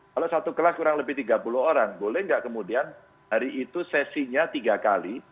kalau satu kelas kurang lebih tiga puluh orang boleh nggak kemudian hari itu sesinya tiga kali